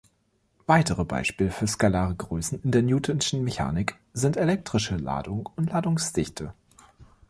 Weitere Beispiele für skalare Größen in der Newtonschen Mechanik sind elektrische Ladung und Ladungsdichte.